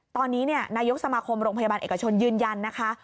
ตอนนี้นายกสมาคมโรงพยาบาลเอกชนยืนยันนะคะ